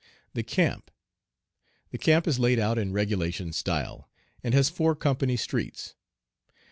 "The camp. The camp is laid out in regulation style, and has four company streets.